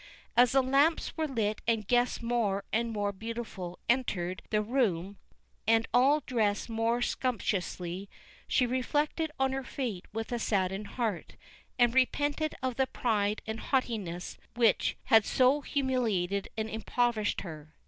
As the lamps were lit and guests more and more beautiful entered the room, and all dressed most sumptuously, she reflected on her fate with a saddened heart, and repented of the pride and haughtiness which had so humiliated and impoverished her.